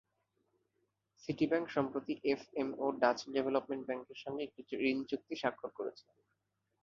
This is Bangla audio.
সিটি ব্যাংক সম্প্রতি এফএমও, ডাচ ডেভেলপমেন্ট ব্যাংকের সঙ্গে একটি ঋণচুক্তি স্বাক্ষর করেছে।